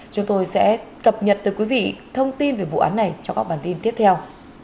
chúng tôi sẽ cập nhật tới quý vị thông tin về vụ án này cho các bản tin tiếp theo